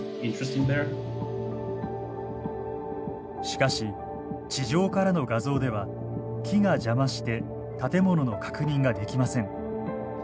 しかし地上からの画像では木が邪魔して建物の確認ができません。